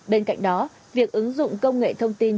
bên cạnh đó việc ứng dụng công nghệ thông tin